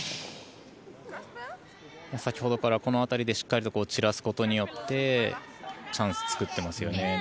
先ほどから、この辺りでしっかりと散らすことによってチャンスを作ってますよね。